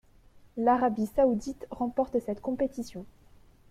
L'Arabie saoudite remporte cette compétition.